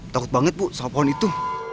takut banget bu sama pohon itu